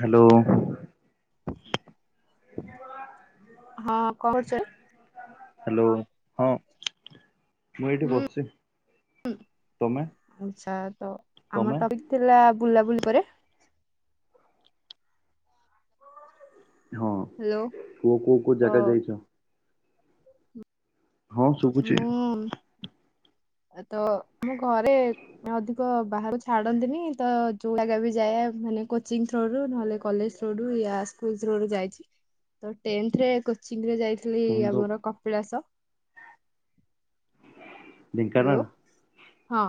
Hello hello [unintelligible] hello ହଁ ମୁଁ ଏଇଠି ବସିଛି ତମେ? ଆଚ୍ଛା ତ ଆମ ତମେ ଟପିକ ଥିଲା ବୁଲାବୁଲି ପରେ ହଁ ହ୍ୟାଲୋ। ପୁଅ କୁଅ କୋଉ ତ ଜାଗା ଯାଇଛ? ହଁ ଶୁବୁଛି। ମୁଁ ତ ଆମ ଘରେ ଅଧିକ ବାହାରକୁ ଛାଡନ୍ତିନି ତ ଯୋଉ ଜାଗା ବି ଯାଏ ମାନେ କୋଚିଂଥ୍ରୋ ର ନହେଲେ କଲେଜ ଥ୍ରୋ ରୁ ୟା ସ୍କୁଲ ଥ୍ରୋ ରୁ ଯାଇଛି ଟେନ୍ଥ୍ ରେ କୋଚିଂରେ ଯା ଥିଲି ତମେ ତ ଆମର କପିଳାସ ହ୍ୟାଲୋ ଢ଼େଙ୍କାନାଳ? ହଁ।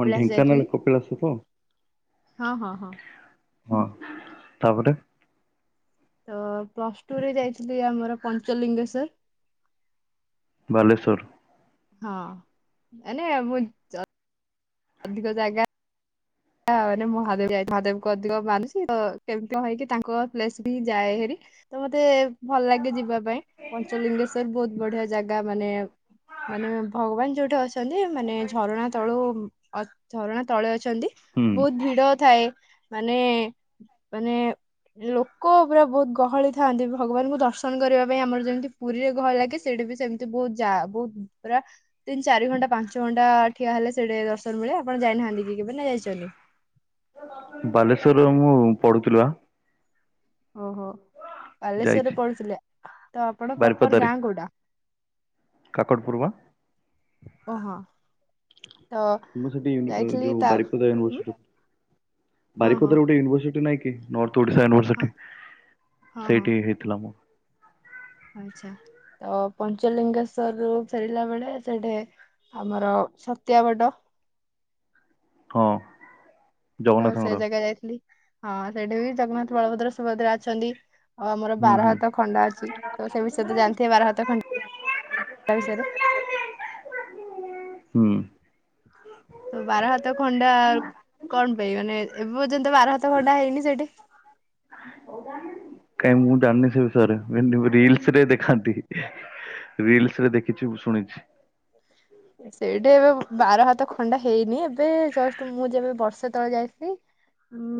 ହଁ ଯାଇଥିଲି ଢେଙ୍କାନାଳରେ କପିଳାସ ତ? ହଁ ହଁ ହଁ। ହଁ ତାପରେ ତ ପ୍ଲସ ଟୁ ରେ ଯାଇଥିଲି ଆମର ପଞ୍ଚଲିଙ୍ଗେଶ୍ଵର। ବାଲେଶ୍ୱର ହଁ ମାନେ ମୁଁ ଅଧିକ ଜାଗା ମାନେ ମହାଦେବ ଯାଇ ମହାଦେବଙ୍କ ଅଧିକ ମାନୁଛି ତ କେମିତି କ ହେକି ତାଙ୍କ ପ୍ଲେସ ହିଁ ଯାଏ ହେରି ତ ମତେ ଭଲ ଲାଗେ ଯିବା ପାଇଁ ପଞ୍ଚଲିଙ୍ଗେଶ୍ଵର ବହୁତ ବଢିଆ ଜାଗା ମାନେ ମାନେ ଭଗବାନ ଯୋଉଠି ଅଛନ୍ତି ମାନେ ଝରଣା ତଳୁ ଝରଣା ତଳେ ଅଛନ୍ତି। ହୁଁ ବହୁତ ଭିଡ ଥାଏ। ମାନେ ମାନେ ଲୋକ ପୁରା ବହୁତ ଗହଳି ଥାନ୍ତି ଭଗବାନଙ୍କୁ ଦର୍ଶନ କରିବା ପାଇଁ ଆମର ଯେମିତି ପୁରୀରେ ଗହଳି ଲାଗେ ସେଠି ବି ସେମିତି ବହୁତ ଯା ବହୁତ ପୁରା ତିନି ଚାରି ଘଣ୍ଟା ପାଞ୍ଚ ଘଣ୍ଟା ଠିଆ ହେଲେ ସେଠି ଦର୍ଶନ ମିଳେ ଆପଣ ଯାଇନାହାନ୍ତି କି କେବେ ନା ଯାଇଛନ୍ତି? ବାଲେଶ୍ଵରରେ ମୁଁ ପଢୁଥୁଲୁ ଆ ଓହୋଃ। ବାଲେଶ୍ଵରରେ ଯାଇଛି ପଢୁଥିଲେ, ତ ଆପଣ ପ୍ରପର ବାରିପଦାରେ ଗାଁ କୋଉଟା? କାକଟପୁର ବା ଓହୋଃ। ମୁଁ ସେଠି ୟୁନ୍ ଯୋଉ ତା ବାରିପଦା ହୁଁ ୟୁନିଭର୍ସିଟି, ହଁ ହଁ ବାରିପଦାରେ ଗୋଟେ ୟୁନିଭର୍ସିଟି ନାଇଁ କି? ଇଗନର୍। ଓଡ଼ିଶା ହଁ ୟୁନିଭର୍ସିଟି, ସେଇଠି ହେଇଥିଲା ମ। ଆଛା ତ ପଞ୍ଚଲିଙ୍ଗେଶ୍ଵରରୁ ଫେରିଲା ବେଳେ ସେଠି ଆମର ଛତିଆ ବଟ ହଁ। ତ ସେ ଜଗନ୍ନାଥଙ୍କର ଜାଗା ଯାଇଥିଲି। ହଁ ସେଠି ବି ଜଗନ୍ନାଥ ବଳଭଦ୍ର ସୁଭଦ୍ରା ଅଛନ୍ତି। ଆଉ ଆମର ହୁଁ ବାର ହୁଁ ହାତ ଖଣ୍ଡା ଅଛି ତ ସେ ବିଷୟ ତ ଜାଣିଥିବେ ବାର ହାତ ଖଣ୍ଡା ବିଷୟରେ। ହୁଁ। ତ ବାର ହାତ ଖଣ୍ଡା କଣ ପାଇଁ ମାନେ ଏବେ ପର୍ଯ୍ୟନ୍ତ ବାର ହାତ ଖଣ୍ଡା ହେଇନି ସେଠି କାଇ ମୁଁ ଜାଣିନି ସେ ବିଷୟରେ ମେ ରିଲସରେ ଦେଖାନ୍ତି ରିଲ ରେ ଦେଖିଛି ମୁଁ ଶୁଣିଛି। ସେଇଠି ଏବେ ବାର ହାତ ଖଣ୍ଡା ହେଇନି ଏବେ ଜଷ୍ଟ ମୁଁ ଯେବେ ବର୍ଷେ ତଳେ ଯାଇଥିଲି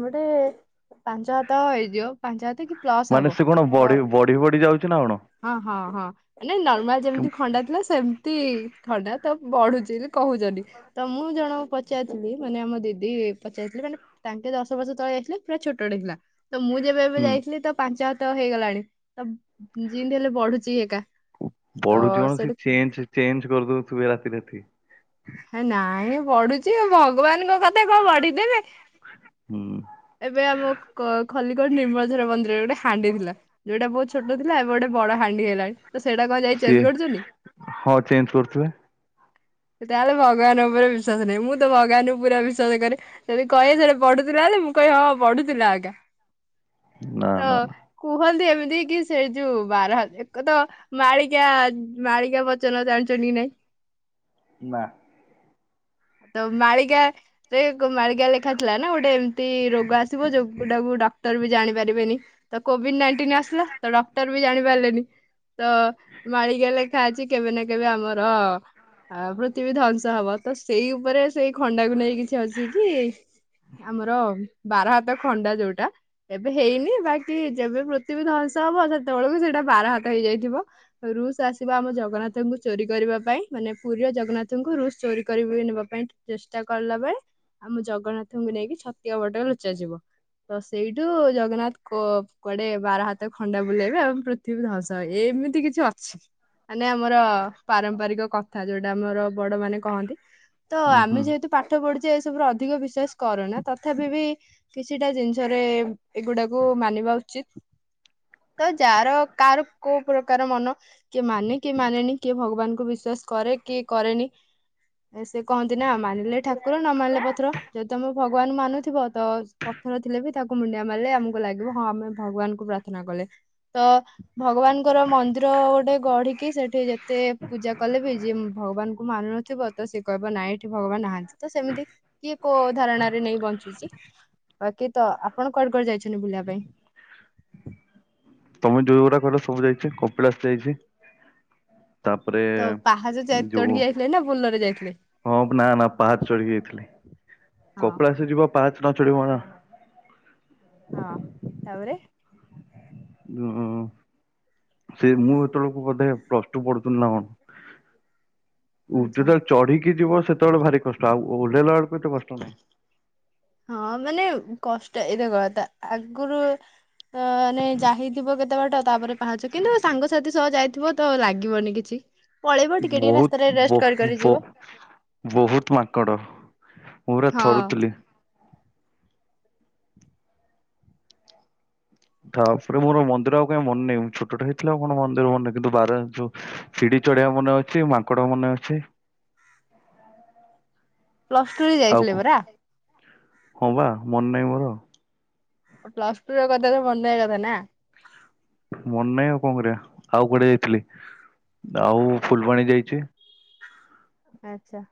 ଗୋଟେ ପାଞ୍ଚ ହାତ ହେଇଯିବ ପାଞ୍ଚ ହାତ କି ପ୍ଲସ୍ ମାନେ ହବ ସେ କଣ ତ ବଢି ବଢି ବଢି ଯାଉଛି ନା କଣ? ହଁ ହଁ ହଁ ନାଇ ନର୍ମାଲ ଯେମିତି କି- ଖଣ୍ଡା ଥିଲା ସେମତି ଖଡ଼ା ତ ବଢୁଛି ବୋଲି କହୁଛନ୍ତି। ତ ମୁଁ ଜଣ ପଚାରିି ନେଇ ମାନେ ଆମ ଦିଦି ପଚାରଥିଲି ମାନେ ତାଙ୍କେ ଦଶ ବର୍ଷ ତଳେ ଯାଇ ଥିଲେ ପୁରା ଛୋଟଟେ ହେଇଥିଲା। ତ ମୁଁ ଯେବେ ଏବେ ହୁଁ ଯାଇଥିଲ ତ ପାଞ୍ଚ ତ ହେଇଗଲାଣି ତ ଯେମିତି ହେଲେ ବଢୁଛି ଏକା। ତ ପଢୁଛି କଣ ସେ ସେଠି ଚେଞ୍ଜ ଚେଞ୍ଜ କରିଦଉ ସୁୁବେଳାତି ଥି ନାଇଁ ପଢୁଛି ଭଗବାନଙ୍କ କଥା କଣ ପଢିଦେବେ। ହୁଁ। ଏବେ ଆମ କ ଖଲିକୋଟ ନିର୍ମଳଧଝର ମନ୍ଦିର। ଗୋଟେ ହାଣ୍ଡି ଥିଲା ଯୋଉଟା ବହୁଛି ଛୋଟ ଥିଲା ଏବେ ଗୋଟେ ବଡ ହାଣ୍ଡି ହେଲାଣି। ତ ସେଇଟା କଣ ଯାଇ ଚେଞ୍ଜ ସିଏ କରୁଛନ୍ତି। ହଁ ଚେଞ୍ଜ କରୁଥିଲେ। ସେ ତାହେଲେ ଭଗବାନ ଉପରେ ବିଶ୍ଵାସ ନାହିଁ ମୁଁ ତ ଭଗବାନଙ୍କୁ ପୁରା ବିଶ୍ଵାସ କରେ ଯଦି କହେ ସେ ବଢୁଥିଲା ହେଲେ ମୁଁ କହ ହଁ ବଢୁଥିଲା ଆଜ୍ଞା। ନା ତ ନା ନା। କୁହନ୍ତି ଏବେ। କି ସେ ଯୋଉ ବାର ହା ଏକ ତ ମାଳିକା ମାଳିକା ବଚନ ଜାଣିଛନ୍ତି ନାଇଁ। ନା। ତ ମାଳିକା ଦେ କୋଉ ମାଳିକା ଲେଖା ଥିଲା ନା ଗୋଟେ ମ ତି ରୋଗ ଆସିବ ଯୋଉଟାକୁ ଡକ୍ଟର ବି ଜାଣି ପାରିବେନି ତ କୋଭିଡ ନାଇଣ୍ଟିନ ଆସିଲା ତ ଡକ୍ଟର ବି ଜାଣି ପାରିଲେନି। ତ ମାଳିକା ଲେଖା ଅଛି କେବେ ନା କେବେ ଆମର ପୃଥିବୀ ଧ୍ୱଂସ ହବ ତ ସେଇ ଉପରେ ସେଇ ଖଣ୍ଡାକୁ ନେଇ କିଛି ଅଛି କି ଆମର ବାର ହାତ ଖଣ୍ଡା ଯୋଉଟା ଏବେ ହେଇନି ବାକି ଯେବେ ପୃଥିବୀ ଧ୍ଵଂସ ହବ ସେତେବେଳକୁ ସେଇଟା ବାର ହାତ ହେଇଯାଇଥିବ ରୁଷ ଆସିବା ଆମ ଜଗନ୍ନାଥଙ୍କୁ ଚୋରି କରିବା ପାଇଁ ମାନେ ପୁରୀରେ ଜଗନ୍ନାଥଙ୍କୁ ରୁଷ ଚୋରି କରିବି ନେବା ପାଇଁ ଚେଷ୍ଟା କଲା ବେଳେ ଆମ ଜଗନ୍ନାଥଙ୍କୁ ନେଇକି ଛତିଆ ବୋଟରେ ଲୁଚା ଯିବ ତ ସେଇଠୁ ଜଗନ୍ନାଥ କୁ କୁଆଡେ ବାର ହାତ ଖଣ୍ଡା ବୁଲେଇବେ ଆଉ ପୃଥିବୀ ଧ୍ୱଂସ ଏମିତି କିଛି ଅଛି ମାନେ ଆମର ପାରମ୍ପରିକ କଥ କଥା ଯୋଉଟା ଆମର ବଡ ମାନେ କହନ୍ତି। ତ ଉୁଁ ହୁଁ ଆମେ ଯେହେତୁ ପାଠ ପଢୁଛେ। ଏ ସବୁ ଅଧ ଅଧିକ ବିଶ୍ଵାସ କରୁନା ତଥାପି ବି କିଛିଟା ଜିନିଷରେ ଏଗୁଡାକୁ ମାନିବା ଉଚିତ ତ ଯାହାର କାହାର କୋଉ ପ୍ରକାର ମନ କିଏ ମାନେ କିଏ ମାନେନି କିଏ ଭଗବାନଙ୍କୁ ବିଶ୍ବାସ କରେ କି କରେନି ସେ କହନ୍ତି ନା ମାନିଲେ ଠାକୁର ନ ମାନିଲେ ପଥର ଯଦି ତମେ ଭ ଭଗବାନ ମାନୁଥିବ ତ ପଥର ଥିଲେ ବି ତାକୁ ମୁଣ୍ଡିଆ ମାରିଲେ ଆମକୁ ଲାଗିବ ହଁ ଆମେ ଭଗବାନଙ୍କୁ ପ୍ରାର୍ଥନା କଲେ। ତ ଭଗବାନଙ୍କର ମନ୍ଦିର ଟ୍ର ଗୋଟେ ଗଢିକି ସେଠି ଯେତେ ପୂଜା କଲେ ବି ଭଗବାନଙ୍କୁ ମାନୁ ନଥିବ ତ ସିଏ କହିବ ନାଇ ଠି ଭଗବାନ ନାହାନ୍ତି ତ ସେମିତି କିଏ କୋଉ ଧାରଣାରେ ନେଇ ବଞ୍ଚୁଚି। ବାକି ତ ଆପଣ କୁଆଡେ କୁଆଡେ ଯାଇଚନ୍ତି ବୁଲିବା ପାଇଁ? ତମେ ଯୋଉଗୁଡା କହିଲା ସବୁ ଯାଇଚି କପିଳାସ ଯାଇଚି। ତାପରେ ତ ପାହାଚ ଚା ଯୋଉ ଚଢିକି ଯାଇଥିଲେ ନା ବୋଲରରେ ଯାଇଥିଲେ? ହଁ ନା ନା ପାହାଚ ଚଢିକି ଯାଇଥିଲି ହଁ କପିଳାସ ଯିବା ପାହାଚ [unintelligible] ହଁ ତାପରେ? ହଁ ସେ ମୁଁ ଯେତେବେଳକୁ ବୋଧେ ପ୍ଲସ ଟୁ ପଢୁଥିଲି ନା କଣ। ଉ ଆଚ୍ଛା ଯୋଉଟା ଚଢିକି ଯିବ ସେତେବେଳେ ଭାରି କଷ୍ଟ ଆଉଁ ଓହ୍ଲେଇଲା ବେଳକୁ ଏତେ କଷ୍ଟ ନାହିଁ। ହଁ ମାନେ କଷ୍ଟ ଏଇ ଦେଖ ତା ଆଗରୁ ଆଁ ମାନେ ଯାହିଥିବ କେତେବାଟ ତାପରେ ପାହାଚ କିନ୍ତୁ ସାଙ୍ଗସାଥି ସହ ଯାଇଥିବ ତ ଲାଗିବନି କିଛି। ପଳେଇବ ଟିକେ ଟିକେ ରାସ୍ତାରେ ବୋହୁତ ରେଷ୍ଟ ବୋ କରି କରି ବୋ ଯିବ ବୋହୁତ ମାଙ୍କଡ। ପୁରା ହଁ ଥରୁଥିଲି। ତାପରେ ମୋର ମନ୍ଦିର ଆଉ କାଇଁ ମନେଇ ଛୋଟ ଟେ ହେଇଥିଲି ଆଉ କଣ ମନ୍ଦିର ମନେ ରଖିବି କିନ୍ତୁ ବାର ଯୋଉ ସିଡି ଚଢେଆ ମନେ ଅଛି ମାଙ୍କଡ ମନେ ଅଛି। ପ୍ଲସ ଟୁ ରେ ଆଉ କ ଯାଇଥିଲେ ପରା। ହଁ ବା ମନ ନାହିଁ ମୋର। ପ୍ଲସ ଟୁ ର କଥା ତ ମନେ ରହିବା କଥା ନା। ମନେ ନାହିଁ ଆଉ କଣ କରିବା ଆଉ କୁଆଡେ ଯାଇଥିଲି ଆଉ ଫୁଲବାଣୀ ଯାଇଛି। ଆଚ୍ଛା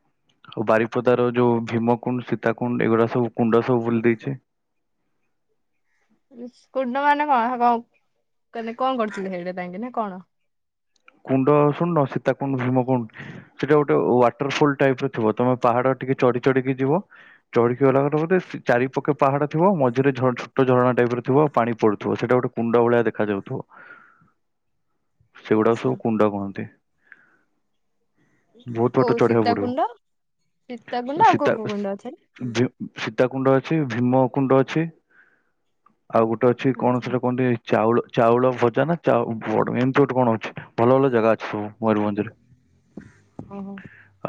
ଉ ବାରିପଦାର ଯୋଉ ଭିମାକୁଣ୍ଡ ସୀତାକୁଣ୍ଡ ଏଗୁଡା ସବୁ କୁଣ୍ଡ ସବୁ ବୁଲି ଦେଇଛି। ଇସ୍ କୁଣ୍ଡ ମନେ କଣ କନ୍ କଣ କରୁଥିଲେ ସେଇଠି ପାଇକିନା କଣ। କୁଣ୍ଡ ଶୁଣିନ ସୀତାକୁଣ୍ଡ ଭୀମକୁଣ୍ଡ ସେଟା ଗୋଟେ ୱାଟରଫଲ୍ ଟାଇଫ୍ ର ଥିବ ତମେ ପାହାଡ ଟିକେ ଚଢ଼ି ଚଢ଼ିକି ଯିବ ଚଢ଼ିକି ଗଲାପରେ ଚାରିପକ୍ଷେ ପାହାଡ ଥିବ ମଝିରେ ଛୋଟ୍ ଛୋଟ ଝରଣା ଟାଇଫ୍ ର ଥିବ ପାଣି ପଡୁଥିବ ସେଇଟା ଗୋଟେ କୁଣ୍ଡ ଭଳିଆ ଦେଖାଯାଉଥିବ। ସେଇଗୁଟା। ଆଚ୍ଛା। କୁ କୁଣ୍ଡ କୁହନ୍ତି। ବହୁତ୍ ବାଟ କୋଉ ଚଢ଼ିବାକୁ ପଡିବ, ସୀତାକୁଣ୍ଡ ସୀତାକୁଣ୍ଡ ଆଉ କୋଉ ସୀତା କୋଉ କୁଣ୍ଡ ଅଛି? ଯ ସୀତା କୁଣ୍ଡ। ଅଛି ଭୀମକୁଣ୍ଡ ଅଛି। ଆଉ ଗୋଟେ ଅଛି କଣ ଆଚ୍ଛା। ସେଟା କହନ୍ତି ଚାଉଳ ଆଁ ଚାଉଳ ଭଜା ନା ଚଉ ବଡ୍ ଏମିତି ଗୋଟେ କଣ ଅଛି। ଭଲ ଭଲ ଜାଗା ଅଛି ସବୁ ମୟୂରଭଞ୍ଜରେ। ଓହୋ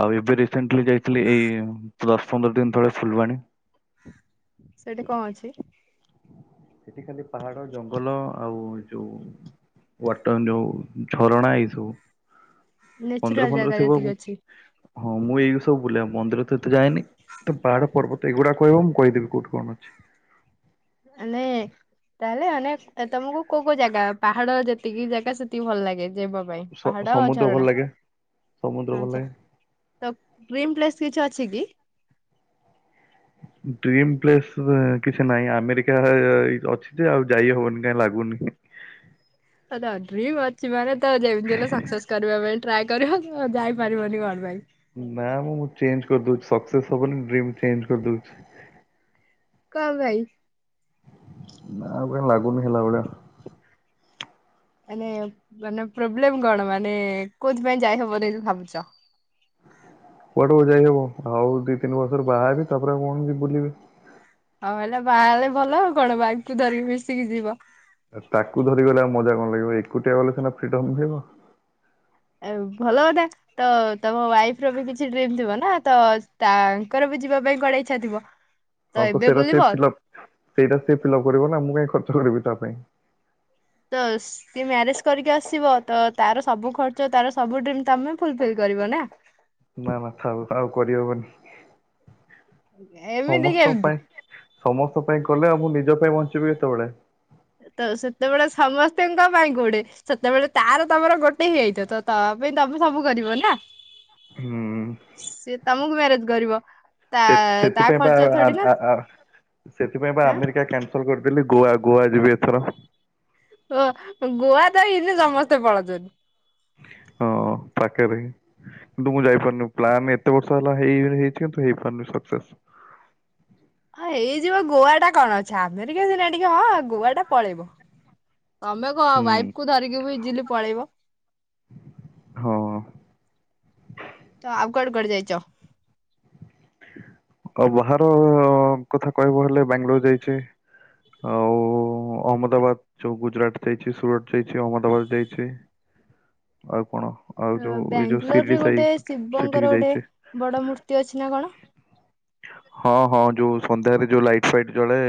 ଆଉ ଏବେ ରି ସେଣ୍ଟଲି ଯାଇଥିଲି ଏଇ ପ୍ଲସ୍ ପନ୍ଦର ଦିନ ତଳେ ଫୁଲବାଣୀ ସେଠି କଣ ଅଛି? ସେଠି ଖାଲି ପାହାଡ ଜଙ୍ଗଲ ଆଉ ଯୋଉ ୱାଟର ନିୟୁ ଝରଣା ଏଇ ସବୁ। ମନ୍ଦିର ନେଚୁରାଲ ଫନ୍ଦିର ଜାଗା ଥିବ ଯେତିକି ଅଛି। ହଁ ମୁଁ ଏଇ ସବ୍ ବୁଲିଆକୁ ମନ୍ଦିର ତ ଏତେ ଯଏନି ତ ପାହାଡ଼ ପର୍ବତ ଏଗୁଡା କହିବ ମୁଁ କହିଦେବି କୋଉଠି କଣ ଅଛି। ମାନେ ତାହେଲେ ଆନାନେ ତମକୁ କୋଉ କୋଉ ଜାଗା ପାହାଡ ଯେତିକି ଜାଗା ସେତିକି ଭଲ ଲାଗେ। ଯିବା ପାଇଁ ସ ପାହାଡ ସମୁଦ୍ର ଭଲ ଝରଣା ଲାଗେ ସମୁଦ୍ର ଭଲ ଆଛା ଲାଗେ। ତ ଡ୍ରିମ ପ୍ଲେସ୍ କିଛି ଅଛ? ଛି କି? ଡ୍ରିମ୍ ପ୍ଲେସ୍ ଏଁ କିଛି ନାହିଁ ଆମେରିକା ଆ ଅଛି ଯେ ଆଉ ଯାଇ ହବନି କାଇଁ ଲାଗୁନି। ଆଛା ଡ୍ରିମ୍ ଅଛି ମାନେ ତ ଯେମିତି ହେଲେ ସକ୍ସେସ୍ କରିବା ପାଇଁ ଟ୍ରାଏ କରିବ। ହ ଯାଇପାରିବନି ଘର ପାଇଁ। ନା ନମୁଁ ମୁଁ ଚେଞ୍ଜ କରିଦଉଚି ସକ୍ସେସ୍ ହବନି ଡ୍ରିମ୍ ଚେଞ୍ଜ କରିଦଉଚି। କଁ ପାଇଁ। ନା ଆଉ କାଇଁ ଲାଗୁନି ହେଲା ଭଳିଆ ମାନେ ମାନେ ପ୍ରୋବଲ୍ଲେମ୍ କଣ ମନେ କୋଉଥି ପାଇଁ ଯାଇହବନି ବୋଲି ଭାବୁଚ? କୁଆଡୁ ଆଉ ଯାଇ ହବ ଆଉ ଦି ତିନି ବର୍ଷରେ ବାହା ହେବି ତାପରେ ଆଉ କଣ ବୁଲିବି। ହଉ ହେଲା ବାହାଲେ ଭଲ ଆଉ କଣ ୱାଇଫ୍ କୁୁ ଧରିକି ମିଶିକି ଯିବ। ଆ ତାକୁ ଧରି ଗଲେ ଆଉ ମଜା କଣ ଲାଗିବ ଏକୁଟିଆ ଗଲେ ସିନା ଫ୍ରିଡମ୍ ରହିବ। ଆ ଭଲ କଥା ତ ତମ ୱାଇଫ ର ବି କିଛି ଡ୍ରିମ୍ ଥିବ ନା ତ ତାଙ୍କର ବି ଯିବା ପାଇଁ କୁଆଡେ ଇଚ୍ଛା ଥିବ। ହଁ ତ ଏବେ ସେଇଟା ସେ ବୁଲିବ ଫିଲ୍ ଅଫ୍ ସେଇଟା ସେ ଫିଲ୍ଅଫ୍ କରିବ ନା ମୁଁ କାଇଁ କ କରିବି ତା ପାଇଁ। ତ ସେ ମ୍ୟାରେଜ୍ କରିକି ଆସିବ ତ ତାର ସବୁ ଖର୍ଚ୍ଚ ତାର ସବୁ ଡ୍ରିମ୍ ତମେ ଫୁଲ୍ ଫିଲ୍ କରିବ ନା। ନା ନା ଥାଉ। ହେରା ଆଉ କରିହବନି। ଏମିତି କେମିତି? ସମସ୍ତ ପାଇଁ କଲେ ଆଉ ମୁଁ ନିଜ ପାଇଁ ବଞ୍ଚିବି କେତେବେଳେ। ତ ସେତେବେଳେ ସମସ୍ତଙ୍କ ପାଇଁ କୋଉଠେ ସେତେବେଳେ ତାର ତମର ଗୋଟେ ହେଇଯାଇଥ ତ ତା ପାଇଁ ତମେ ସବୁ କରିବ ନା। ହୁଁ ସିଏ ତମକୁ ମ୍ୟାରେଜ କରିବ। ତା ସେ ତା ସେଥିପାଇଁ ବା ଖର୍ଚ୍ଚ ଆର ଥୋଡି ନା ଆର ଆର ସେଥିପାଇଁ ବା ଆଁ ଆମେରିକା କେ ନସଲ କରିଦେଲି ଗୋଆ ଗୋଆ ଯିବି ଏଥର। ଓ ଗୋଆ ତ ଈନ୍ତି ସମସ୍ତେ ପଳଉଚନ୍ତି। ହଁ ପାଖରେ କିନ୍ତୁ ମୁଁ ଯାଇପାରୁନି ପ୍ଲାନ ଏତେ ବର୍ଷ ହେଲା ହେଇ ହେଇଚି କିନ୍ତୁ ହେଇପାରୁନି। ହଁ ହେଇଯିବ ଗୋଆ ଟା କଣ ଅଛି ଆମେରିକା ସିନା ଟିକେ ହଁ ଗୋଆ ଟା ପଳେଇବ। ତମେ କ ହୁଁ ୱାଇଫ୍ କୁ ଧରିକି ବି ଇଜିଲି ପଳେଇବ। ହଁ ତ ଆଉକୁଆଡେ କୁଆଡେ ଯାଇଚ? ଆଉ ବାହାର କଥା କହିବ ହେଲେ ବାଙ୍ଗାଲୋର ଯାଇଚି ଆଉ ଅହମ୍ମଦାବାଦ ଯଉ ଗୁଜୁରାଟ ଯାଇଚି ସୁରଟ ଯାଇଚି ଅହମ୍ମଦାବାଦ ଯାଇଚି। ଆଉ କଣ? ଆଉ ଅ ଯୋଉ ଏଇ ଯୋଉ ବାଙ୍ଗାଲୋର ଶିରିଡି ରେ ସାଇ ଗୋଟେ ସେଠିକି ଶିବଙ୍କର ଗୋଟେ ଯାଇଛି ବଡ ମୂର୍ତ୍ତି ଅଛି ନା କଣ? ହଁ ହଁ ଯୋଉ ସନ୍ଧ୍ୟାରେ ଯୋଉ ଲାଇଟ ଫାଇଟ୍ ଜଳେ।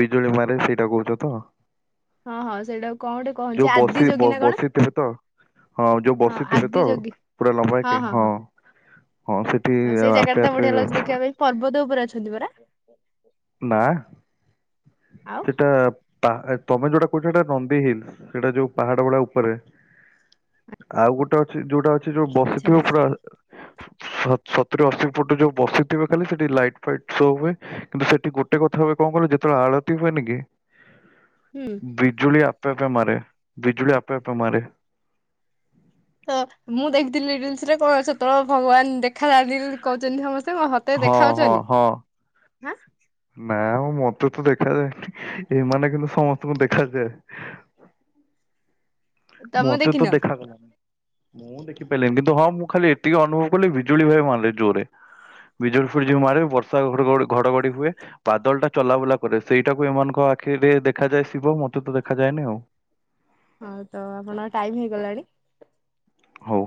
ବିଜୁଳି ମାରେ ସେଇଟା କହୁଛ ତ? ହଁ ହଁ ସେଇଟା। ଯୋଉ ବସି ବ ବସିଥିବେ ତ ହଁ ଯୋଉ ବସିଥିବେ ଆଦି ତ ଯୋଗୀ ପୁରା ଲମ୍ବା ହେଇ କି, ହଁ। ହଁ ସେଠି ହଁ ସେଇ ଜାଗା ଟା ଆପେ ତ ଆପେ ବଢିଆ ଲାଗୁଚି ଦେଖିବା ପାଇଁ ପର୍ବତ ଉପରେ ଅଛି। ଛନ୍ତି ପରା। ନା ଆଉ ସେଟା ପାହ ତମେ ଯଉଟା କହୁଛ ସେଟା ନନ୍ଦୀ ହିଲ୍ସ। ସେଇଟା ଯୋଉ ପାହାଡ ଭଳି ଉପରେ। ଆଉ ଗୋଟେ ଅଛି ଯୋଉଟା ଅଛି ସେ ଯଉ ଆଚ୍ଛା ବସିଥିବ ପୁରା ସ ସତୁୁରି ଅଶି ଫୁଟ ଯୋଉ ବସିଥିବ ଖାଲି ସେଠି ଲାଇଟ ଫାଇଟ ସବୂ ହୁଏ। କିନ୍ତୁ ସେଠି ଗୋଟେ କଥା ହୁଏ କଣ କଲେ ଯେତେବେଳେ ଆଳତି ହୁଏନି କି ହୁଁ ବିଜୁଳି ଆ ପେ ଆପେ ମାରେ ବିଜୁଳି ଆପେ ଆପେ ମାରେ। ତ ମୁଁ ଦେଖିଥିଲି। ଲିସ୍ ରେ ତ ସେତେବେଳେ ଭଗବାନ ଦେଖ ଦେଖା ଦଉଚନ୍ତି ବୋଲି କହୁଚନ୍ତି ସମସ୍ତେ। ହଁ ହଁ ହଁ। ହଁ। ନା ମତେ ତ ଦେଖାଯାଏନି, ଏମାନେ କିନ୍ତୁ ସମସ୍ତଙ୍କୁ ଦେଖାଯାଏ। ତମେ ମୋତେ ଦେଖିନ ତ ଦେଖା ଗଲାନି। ମୁଁ ଦେଖି ପାରିଲିନି କିନ୍ତୁ ହଁ ମୁଁ ଖାଲି ଏତିକି ଅନୁଭବ କଲି ବିଜୁଳି ଭାଇ ମାରେ ଜୋରରେ। ବିଜୁଳି ଫିଯୁଳି ମାରେ ବର୍ଷା ଘଡ଼ ଘଡଘଡି ହୁଏ। ବାଦଲ ଟା ଚଲାବୁଲା କରେ ସେଇଟାକୁ ଏମାନଙ୍କ ଆଖିରେ ଦେଖାଯାଏ ଶିବ ମତେ ତ ଦେଖାଯାଏନି ଆଉ। ହଉ ତ ଆପଣ ଟାଇମ ହେଇଗଲାଣି। ହଉ।